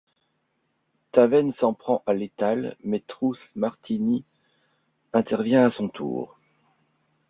Taven s'en prend à Lethal mais Truth Martini intervient à son tour.